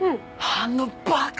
あのバカ！